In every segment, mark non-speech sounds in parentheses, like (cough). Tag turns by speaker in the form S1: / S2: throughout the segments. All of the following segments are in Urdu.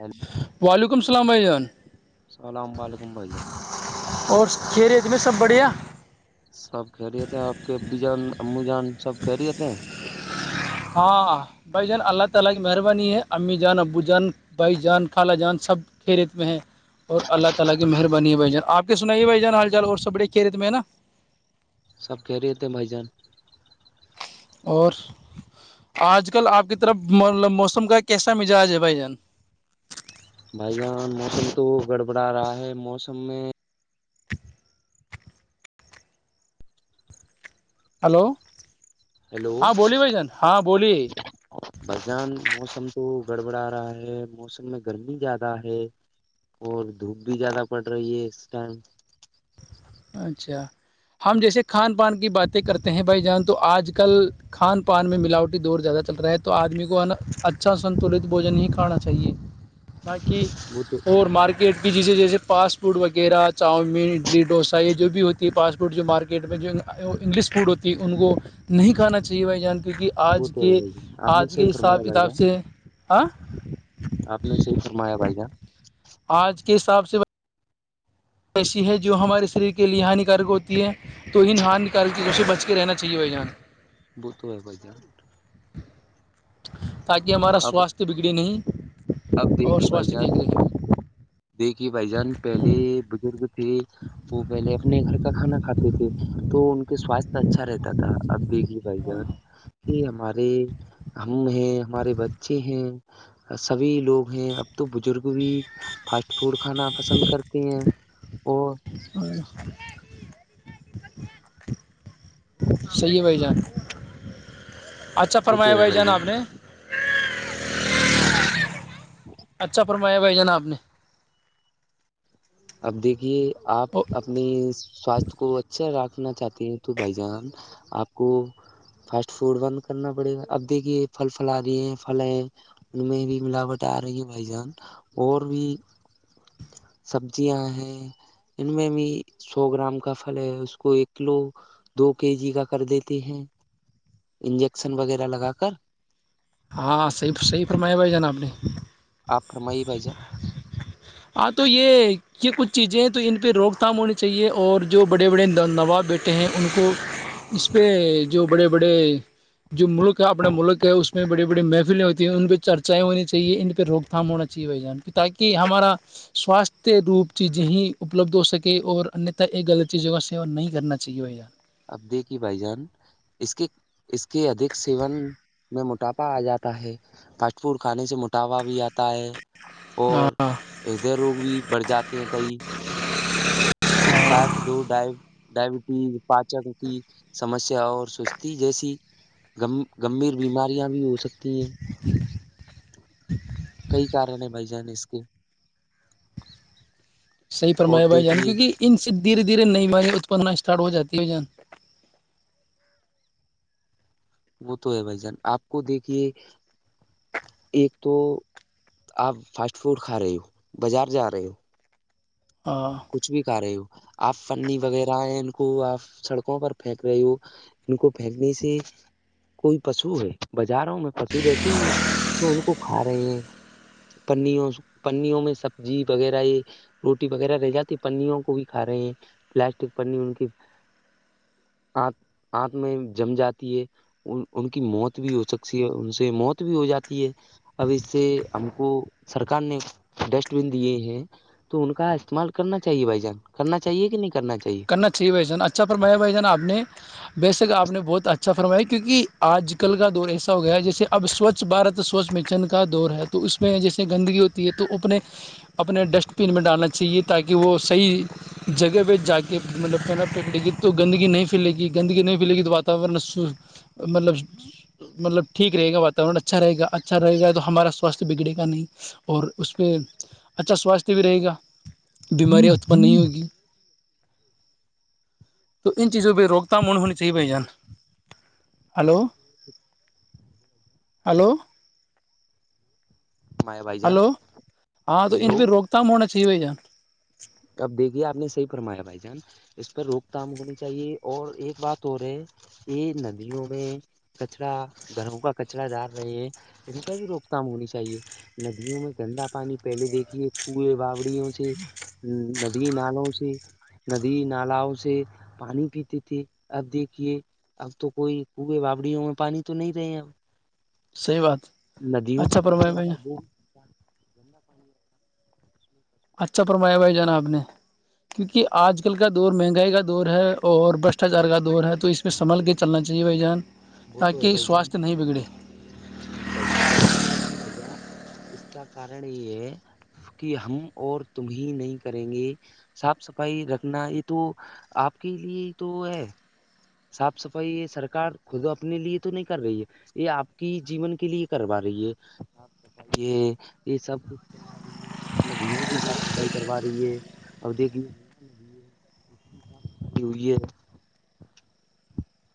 S1: ہیلو
S2: وعلیکم السلام بھائی جان
S1: السلام و علیکم بھائی جان
S2: اور کھیلت میں سب بڑھیا
S1: سب کہہ رہیتے ہیں آپ کے ا بی جان اممو جان سب کہہ رہیتے ہیں
S2: (unintelligible) بائی جان کالا جان سب کھی رت میں ہیں (unintelligible)
S1: سب کہہ رہے تھے بھائی جان
S2: اور آج کل آپ کی طرف موسم کا کیسا مزاج ہے بھائی جان
S1: بھائی جان موسم تو گڑبڑا رہا ہے موسم میں
S2: ہیلو
S1: ہیلو
S2: ہاں بولیے بھ جان ہاں بولیے
S1: برجان موسم تو گڑبڑا رہا ہے موسم میں گرمی زیادہ ہے اور دھوپ بھی زیادہ پڑ رہی ہے اس ٹائم
S2: اچھا ہم جیسے کھان پان کی باتیں کرتے ہیں بھائی جان تو آج کل کھان پان میں ملاوٹی دور زیادہ چل رہا ہے تو آدمی کو اچھا سنتلت بوجن ہی کھانا چاہیے حھں ب کی
S1: وہ تو
S2: اور مارکیٹ بھی جیسے جیسے فاسٹ فوڈ وغیرہ چاؤمین اڈلی ڈوسا چ یہ جو بھی ہوتی ہے فاسٹ فوڈ جو مارکیٹ میں جو انگلش فوڈ ہوتی ہے ان کو نہیں کھانا چاہےھائی جان کی کہ
S1: وہ
S2: آج
S1: تو ہے
S2: کے
S1: بھائی جان آپ نے
S2: آج کے
S1: صحیح فرمایا
S2: حساب
S1: بھائی
S2: کتاب
S1: جان
S2: سے آاں
S1: آپ نے صحیح فرمایا بھیا
S2: آج کے حساب سے ب ایسی ہے جو ہمارے شریر کے لیے ہانیکارک ہوتی ہے تو ان ہار نکال کیجے اسے بچ کے رہنا چاہیے بھائی جان
S1: ب تو ہو کوئی ج
S2: تاکہ ہمارا
S1: اب
S2: سواستھ بگڑے نہیں
S1: اب
S2: اور
S1: دیکھیے بھائی
S2: سواستھ
S1: جان
S2: ٹھیک لگے
S1: دیکھیے بھائی جان پہلے بزرگ تھے وہ پہلے اپنے گھر کا کھانا کھاتے تھے تو ان کے سواستھ اچھا رہتا تھا اب دیکھیے بھ جان کہ ہمارے ہم ہیں ہمارے بچے ہیں سبھی لوگ ہیں اب تو بزرگ بھی فاسٹ فوڈ کھانا پسند کرتے ہیں اور
S2: اور (inaudible) صحیح ہے بھائی جان
S1: کو تو ہے بھائی جان
S2: اچھا فرمایا بھائی جان آپ نے (inaudible)
S1: اب دیکھیے آپ
S2: نے
S1: اپنی سواستھ کو اچھا رکھنا چاہتے ہیں تو بھائی جان آپ کو فاسٹ فوڈ بند کرنا پڑے گا ابھی کی پھل پھل آ رہی ہیں پھل ہیں ان میں بھی ملاوٹ آ رہی ہے بھائی جان اور بھی سبیاں ہیں ان میں بھی سو گرام کا پھل ہے اس کو ایک کلو دو کے جی کا کر دیتے ہیں انجیکشن وغیرہ لگا کر
S2: ہاں صحیحی فرمایا بھائی جان آپ نے
S1: آپ پررمائی بج
S2: ہاں تو یہ یہ کچھ چیزیں تو ان پہ روک تھام ہونی چاہیے اور جو بڑے بڑے نواب بیٹے ہیں ان کو اس پہ جو بڑے بڑے جو ملک اپنا ملک ہے اس میں بڑی بڑی محفلیں ہوتی ہیں ان پہ چرچائیں ہو چاہیے ان پہ روک تھام ہونااہے اچھی بائی جان کی تاکہ ہمارا سواستھ روپ چیزیں ہی اپلبدھ ہو سکے اور انیہتا یہ غلط چیزوں کا سیوا نہیں کرنا چاہیےار
S1: اب دیکھیے بھائی جان اس کی اس کے ادھک سیون میں موٹاپا آ جاتا ہے فاسٹ فوڈ کھانے سے مٹاوا بھی آتا ہے اور
S2: ہاں
S1: ہدے روگ بھی بڑھ جاتے ہیں کئی اورٹائپ دو ڈائیو ڈائبٹیز پاچک کی سمسیا اور سستی جیسی گ گمبھیر بیماریاں بھی ہو سکتی ت کئی کارن ہیں بھائی جان اس کے
S2: صحی
S1: اور
S2: فرمایا بھائی جان
S1: دیکھیے
S2: کیونک ان سےھیرے دھیرےئی والاری اتپننا اسٹارٹ ہو جاتی ہے جان
S1: وہ تو ہے بھائی جان آپ کو دیکھیے ایک تو آپ فاسٹ فوڈ کھا رہے ہو بازار جا رہے ہو
S2: ہاں
S1: کچھ بھی ک رہے ہو آ فنی وغیرہ آئے ان کو آپ سڑکوں پر پھینک رہی ہو ان کو پھینکنے سے کوئی پشو ہے بازاروں میں پشو رہتے ہی ہیں تو ان کو کھا رہے ہیں پنیوں پنیوں میں سبزی وغیرہ یہ روٹی وغیرہ جاتی پنوں کو بھی کا رہے ہیں پلاسٹک پنی ان کی اپ یاتھ میں جم جاتی ہے ان کی موت بھی ہو سکتی ہے ان سے موت بھی ہو جاتی ہے اب اس سے ہم کو سرکار نے ڈسٹ بین دیے ہیں تو ان کا استعمال کرنا چاہیے بھائی جان کرنا چاہیے کہ نہیں کرنا چاہیے
S2: جی بھائی جان اچھا فرمایا بھائی جان اپ نے بےشک آپ نے بہت اچھا فرمایا کیونکہ آج کل کا دور ایسا ہو گیا جیسے اب سوچھ سوچھ بھت سوچھ مکشن کا دور ہے تو اس میں جیسے گندگی ہوتی ہے تو اپنے اپنے ڈسٹ بین میں ڈالنا چاہیے تاکہ وہ صحیح جگہ پہ جا یہ مطلب پیرا پکڑے گی تو گندگی نہیں پھیلے گندگی نہیں پھیلے گی تو واتاورن مطلب مطلب ٹھیک رہے گا واتاورن اچھا رہےا اچھا رہے گا تو ہمارا ساستھ بگڑھے گا نہیں اور اس پہے اچھا سواستھ بھی رہے گا بیماریاں اتپن نہیں ہوگی تو ان چیزوں پہ روک تھام ہونی چاہیےبھای جان ہلو ہلو
S1: ہمارے بھائی جان
S2: ہلو ہاں تو ان
S1: ہیلو
S2: پے روک تھام ہونا چاہیے بھای جان
S1: اب دیکھیے آپ نے صحیح فرمایا بھائی جان اس پر روک تھام ہونی چاہیے اور ایک بات اور ہے یہ ندیوں میں کچرا گھروں کا کچرا ڈار رہے ہیں ان کا بھی روک تھام ہونی چاہیے ندیوں میں گندا پانی پہلے دیکھیے کئے باوڑیوں سے ہ ندی نالوں سے ندی نالؤ سے پانی پیتے تھے اب دیکھیے اب تو کوئی کے بابڑیوں میں پانی تو نہیں رہے ہیں اب
S2: صحیح بات
S1: ندیوں
S2: اچھا فرمایا بھائی
S1: وہانی
S2: جان
S1: ٹھیک (inaudible)
S2: اچھا فرمایا بھائی جان آپ نے کیونکہ آج کل کا دور مہنگائی کا دور ہے اور بشٹاچار کا دور ہے تو اس پھر سنبھل کے چلنا چاہیے بھائی جان
S1: وہ تو ہے
S2: تاکہ
S1: بھائی جان
S2: سواستھ نہیں بگڑے
S1: ہاں بھای جان اور دیکھے بھایی جان اس کا کارن یہ ہے کہ ہم اور تمیں نہیں کریں گے صاف صفائی رکھنا یہ تو آپ کے لیے تو ہے صاف صفائی سرکار خود اپنے لیے تو نہیں کر رہی ہے یہ آپ کی جیون کے لیے کروا رہی ہے یہ یہ سب کچھ ندیوں کی صاف صفائی کروا رہی ہے اور دیکھ کیئی (inaudible)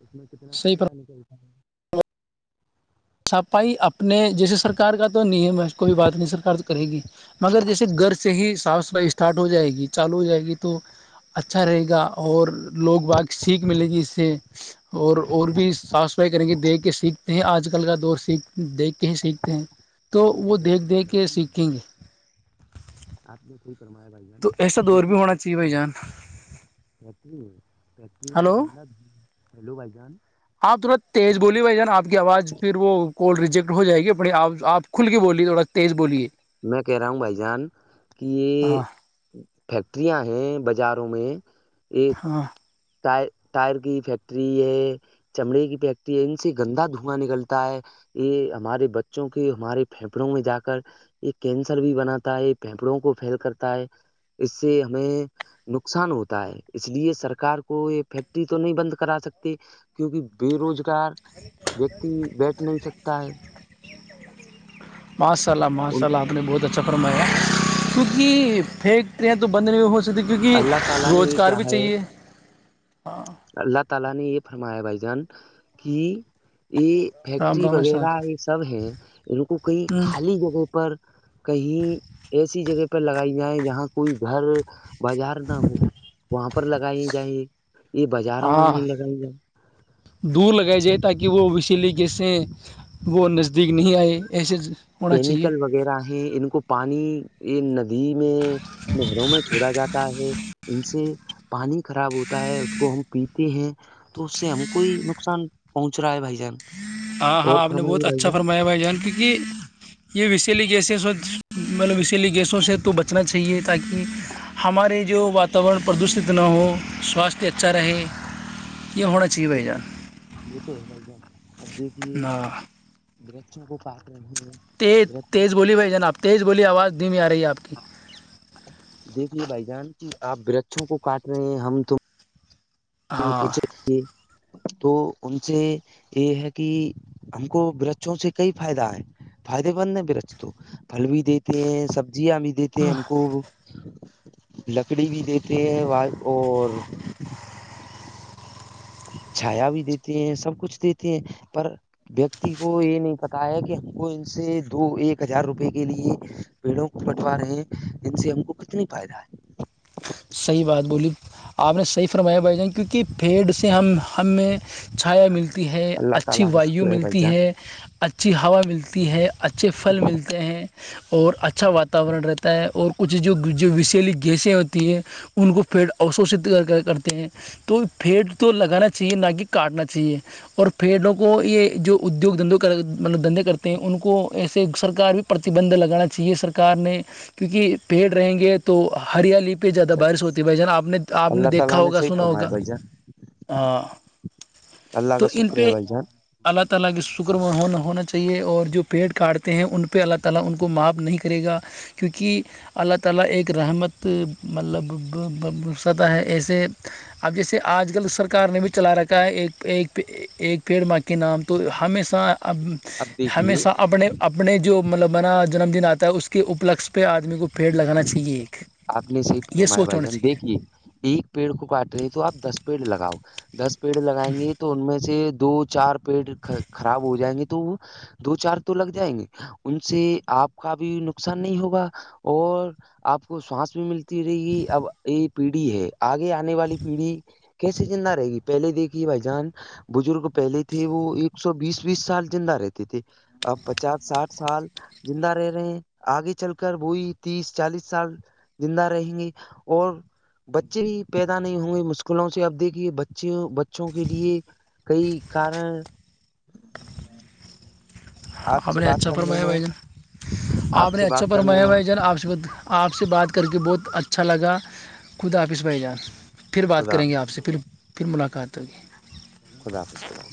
S1: اس میں کتنا
S2: صحیح پر
S1: کچرا نکلتا ہے
S2: سپائی اپنے جیسے سرک ار کا تو نہیں ہے ب کوئی بات نہیں سرار تو کرے گی مگر جیسے گھر سے ہی صاف سفائی اسٹارٹ ہو جائے گی چالو ہو جائے گی تو اچھا رہے گا اور لوگ باقی سیکھ ملے گی اس سے اور اور بھی صاف صفائی کریں گے دیکھ کے سیکھتے ہیں آج ل کا دوست سھ دیکھ کے ہی سیکھتے ہیں تو
S1: اب
S2: وہ
S1: لی
S2: دیکھ دیکھ کے
S1: بھائی
S2: سیکھیں گے
S1: آپ نے صحی فرمایا بھائی جان
S2: تو ایسا
S1: اب
S2: دور بھی ہونا چاہیے بھائی جان
S1: (inaudible) فری فیکٹری سے
S2: ہلو
S1: گلہ ہیلو بھائی جان
S2: آپ ترت تیز بولی بھائی جان آ کی آواز پھر وہ کال ریجیکٹ ہو جائے گی پڑے آپ آپ کھل کے بولیے تھوڑا تیز بولیے
S1: میں کہہ رہا ہوں بھائی جان کہ یہ
S2: ہاں
S1: فیکٹریاں ہیں بازاروں میں ایک
S2: ہاں
S1: ٹر ٹائر کی فیکٹری ہے چمڑے کی پیکتی ہے ان سے گندا دھواں نکلتا ہے یہ ہمارے بچوں کی ہمارے پھیپڑوں میں جا کر یہ کینسر بھی بناتا ہے یہ پھیپڑوں کو فھیل کرتا ہے اس سے ہمیں نقصان ہوتا ہے اس لیے سرکار کو کو یہ فیکٹری تو نہیں بند کرا سکتی کیونکہ بے روزگار وتی بیٹھ نہیں سکتا ہے
S2: ماشا اللہ
S1: ان
S2: ماشاء اللہ آپ نے بہت اچھا فرمایا کیونکہ فیکٹریاں تو بند نہیں ہو اس کیونکہ
S1: اللہ تعالی نے یہ
S2: روزگار
S1: کیا
S2: بھی
S1: ہے
S2: چاہیے ہاں
S1: اللہ تعالی نے یہ فرمایا بھائی جان ہی یہ
S2: رام
S1: فیکٹری
S2: رام
S1: وغیرہ
S2: صاحب
S1: یہ سب ہے ان کو کئی خالی جگہ پر کہیں ایسی جگہ پر لگائی جائے جہاں کوئی گھر بازار نہ ہو وہاں پر لگائی جائیں یہ بازاروں میں
S2: ہاں
S1: نہیں لگائی جائ
S2: دور لگائی جائے تاکہ وہ اسی لیےقےس سے وہ نزدیک نہیں آئے ایسے ہونا چاہیے
S1: کیمیکل وغیرہ ہیں ان کو پانی یہ ندی میں نہروں میں چھوڑا جاتا ہے ان سے پانی خراب ہوتا ہے اس کو ہم پیتے ہیں تو اس سے ہم کوئی نقصان پہنچ رہا ہے بھائی جان
S2: ہاں
S1: اور
S2: ہاں آپ نے
S1: فرمائیے
S2: بہت
S1: بھائی
S2: اچھا
S1: جان
S2: فرمایا بھائی جان کیونکہ یہ ویسیل گیسس مطلب ویسییلی گیسوں سے تو بچنا چاہیے تاکہ ہمارے جو واتاورن پردوشت نہ ہو سواستھ اچھا رہے یہ ہونا چاہیے
S1: وہ
S2: بھائی جان
S1: وہ تو ہے بھائی ج اب دیکھیے
S2: ہاں
S1: درچوں کو پات ہیں
S2: تیز تیز
S1: درخت
S2: گولی بھائی جناب تیز گو آواز دمی آ رہی ہے آپ کی
S1: دیکھیے بھائی جان کی آپ ورچھوں کو کاٹ رہے ہیں ہم ت
S2: ہاں
S1: کچھ تو ان سے یہ ہے کہ ہم کو برچوں سے کئی فائدہ ہے فائدے مند ہے ب رج تو پھل بھی دیتے ہیں سبزیاں بھی دیتے ہیں ہم کو لکڑی بھی دیتے ہیں اور چھایا بھی دیتی ہیں سب کچھ دیتے ہیں پر ویکتی کو یہ نہیں پتا ہے کہ ہم کو ان سے دو ایک ہزار روپے کے لیے پیڑوں کو بٹوا رہے ہیں ان سے ہم کو کتنی فائدہ ہے
S2: صحیح بات بولی آپ نے صحیح فرمایا بھائی جان کیونکہ پیڈ سے ہم ہم میں چھایا ملتی ہے اچھی وایو ملتی ہے اچھی ہوا ملتی ہے اچ اچھے پھل ملتے ہیں اور اچھا وااتاورن رہتا ہے اور کچھ جو جو وشیلی گیسیں ہوتی ہے ان کو پیٹ اشوشت کرتے ہیں تو پیڑ تو لگانا چاہیے نہ کہ کاٹنا چاہیے اور پھیڑوں کو یہ جو ادیوگ دھندوں مطلب دھندے کرتے ہیں ان کو ایسے سرکار بھی پرتیبند لگانا چاہیے سرک نے کیونکہ پیڑ رہیں گے تو ہریالی پہ زیادہ
S1: ہے
S2: بارش ہوتی بھائی ج نا آپ نے آپ نے
S1: اللہ
S2: دیکھا
S1: تعالی
S2: ہوگا
S1: صحیح
S2: سنا
S1: فرمایا
S2: ہوگا
S1: بھائی جان
S2: ہاں
S1: اللہ
S2: تو
S1: کا
S2: ان
S1: شکر ہے
S2: پہ
S1: بھائی جان
S2: اللہ تعالی کیونکہ اللہ تعالی ایک رحمت مطلب ستا ہے ایسے اب جیسے آج کل سرکار نے بھی چلا رکھا ہے ایک ایک ایک پڑ ماں کے نام تو ہمیشہ اب
S1: اب دیکھیے
S2: ہمیشہ اپنے اپنے جو مطلب بناا جنم دن آتا ہے اس کے اپلک پہ آدمی کو پیڑ لگانا چاہیے ایک
S1: آپ نے صحی
S2: یہ
S1: فرمایا
S2: سوچ
S1: بھائی
S2: ہونا
S1: جان
S2: چاہیے
S1: دیکھیے ایک پیڑ کو کاٹ رہے ہیں تو آپ دس پیڑ لگاؤ دس پیڑ لگائیں گے تو ان میں سے دو چار پیڑ خراب ہو جائیں گے تو دو چار تو لگ جائیں گے ان سے آپ کا بھی نقصان نہیں ہوگا اور آپ کو ساس بھی ملتی رہے گی اب یہ پیڑھی ہے آگے آنے والی پیڑھی کیسے چ نہ رہے گی پہلے دیکھیے بھائی جان بزرگ پہلے تھے وہ ایک سو بیس بیس سال زندہ رہتے تھے اب پچاس ساٹھ سال زندہ رہ رہے ہیں آگے چل کر بوئی تیس چالیس سال زندہ رہیں گے اور بچے بھی پیدا نہیں ہو گئے مشکلوں سے اب دیکھیے بچیوں بچوں کے لیے کئی کارن
S2: آپ
S1: سے
S2: نے
S1: بات
S2: اچھا
S1: کرنے
S2: فرمایا
S1: میں
S2: بھائی جان آپ نے
S1: سے
S2: اچھا
S1: بات کرنے
S2: فرمایا
S1: میں
S2: بھائی جان آپ سے ب آپ سے بات کر کے بہت اچھا لگا خود آافظ بھائی جان پھر بات
S1: خدا
S2: کریں گے آپ سے پھر پھر ملاقات ہوگی
S1: خدا حافظ خدا